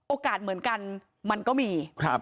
โอกาสเหมือนกันมันก็มี